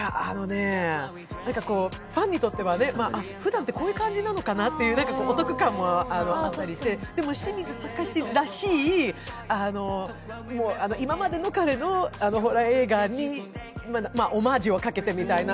ファンにとっては、ふだんてこんな感じなのかなっていうお得感もあったりして、でも清水崇らしい、今までの彼のホラー映画にオマージュをかけてみたいな。